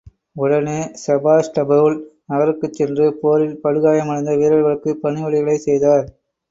உடனே, செபாஸ்டபூல் நகருக்குச் சென்று, போரில் படுகாயமடைந்த வீரர்களுக்கு பணிவிடைகளைச் செய்தார்.